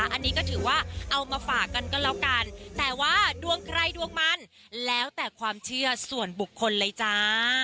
อันนี้ก็ถือว่าเอามาฝากกันก็แล้วกันแต่ว่าดวงใครดวงมันแล้วแต่ความเชื่อส่วนบุคคลเลยจ้า